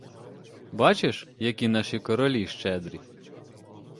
Бачиш, які наші королі щедрі!